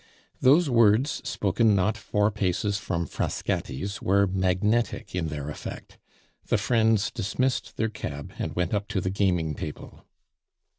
Those words, spoken not four paces from Frascati's, were magnetic in their effect. The friends dismissed their cab and went up to the gaming table.